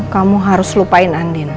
kamu harus lupain andina